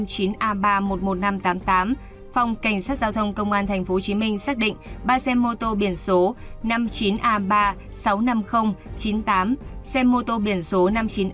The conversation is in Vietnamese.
phòng cảnh sát giao thông công an tp hcm xác định ba xe mô tô biển số năm mươi chín a ba trăm sáu mươi năm nghìn chín mươi tám xe mô tô biển số năm mươi chín a ba trăm một mươi nghìn một trăm linh chín